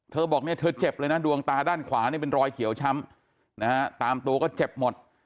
บอกเนี่ยเธอเจ็บเลยนะดวงตาด้านขวานี่เป็นรอยเขียวช้ำนะฮะตามตัวก็เจ็บหมด